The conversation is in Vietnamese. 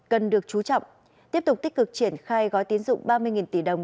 cần được chú trọng tiếp tục tích cực triển khai gói tín dụng ba mươi tỷ đồng